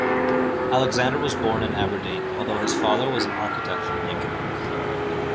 Alexander was born in Aberdeen, although his father was an architect from Lincoln.